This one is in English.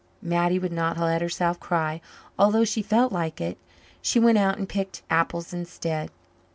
Mattie would not let herself cry, although she felt like it. She went out and picked apples instead.